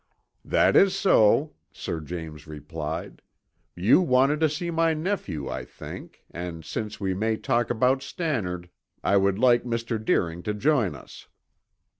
"That is so," Sir James replied. "You wanted to see my nephew, I think, and since we may talk about Stannard, I would like Mr. Deering to join us."